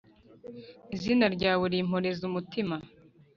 Izina ryawe rimporeza umutima,